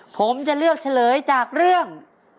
ผมจะเลือกเฉลยจากเรื่อง